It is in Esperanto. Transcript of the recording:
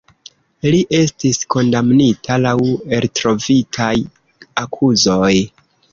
Li estis kondamnita laŭ eltrovitaj akuzoj.